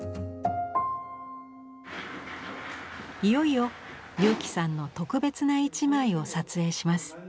いよいよ佑基さんの「特別な一枚」を撮影します。